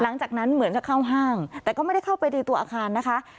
หลังจากนั้นเหมือนจะเข้าห้างแต่ก็ไม่ได้เข้าไปในตัวอาคารนะคะ